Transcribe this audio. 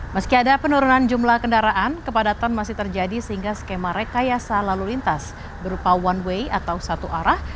meski ada penurunan jumlah kendaraan kepadatan masih terjadi sehingga skema rekayasa lalu lintas berupa one way atau satu arah